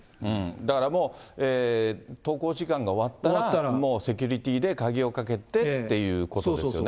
だからもう、登校時間が終わったら、もうセキュリティーで鍵をかけてっていうことですよね。